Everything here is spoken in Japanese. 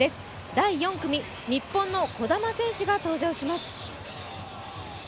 第４組、日本の児玉選手が登場します。